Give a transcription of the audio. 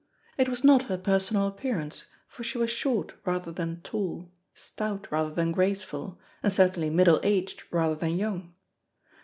It was not her personal appearance, for she was short rather than tall, stout rather than graceful, and certainly middle aged rather than young.